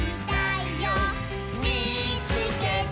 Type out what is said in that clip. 「みいつけた」